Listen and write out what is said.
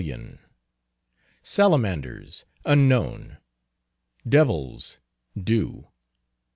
Salamanders, unknown. Devils, do.